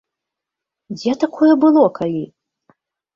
Дзе такое было калі?!